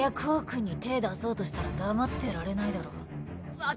君に手ぇ出そうとしたら黙ってられないだろ。分かったよ！